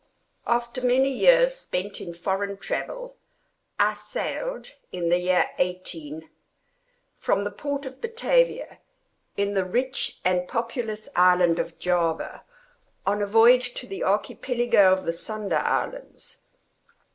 After many years spent in foreign travel, I sailed in the year 18— , from the port of Batavia, in the rich and populous island of Java, on a voyage to the Archipelago of the Sunda islands.